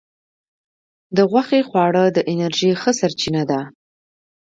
د غوښې خواړه د انرژی ښه سرچینه ده.